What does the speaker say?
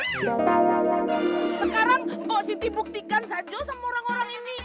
sekarang mpok siti buktikan saja sama orang orang ini